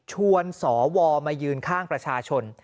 ชวนสวมายืนข้างประชาชน